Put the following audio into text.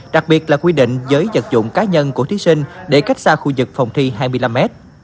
đặc biệt là quy định giới vật dụng cá nhân của thí sinh để cách xa khu vực phòng thi hai mươi năm m